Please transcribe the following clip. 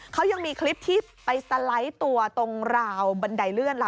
เขายังมีคลิปที่ไปสไลด์ตัวตรงราวบันไดเลื่อนล่ะ